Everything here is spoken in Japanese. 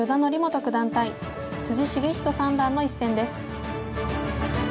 対篤仁三段の一戦です。